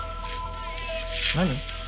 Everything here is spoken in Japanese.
何？